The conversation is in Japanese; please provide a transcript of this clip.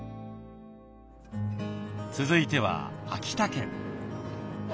続いては秋田県。